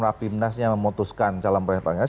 rafi mnas yang memutuskan calon presidennya